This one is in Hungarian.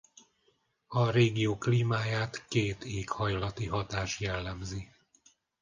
A régió klímáját két éghajlati hatás jellemzi.